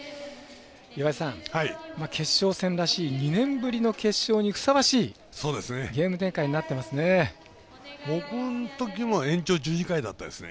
岩井さん、決勝戦らしい２年ぶりの決勝にふさわしいゲーム展開になってますね。